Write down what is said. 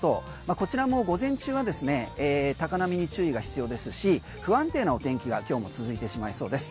こちらも午前中は高波に注意が必要ですし不安定なお天気が今日も続いてしまいそうです。